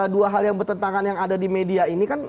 dua hal yang bertentangan yang ada di media ini kan